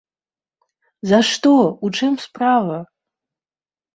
За што, у чым справа?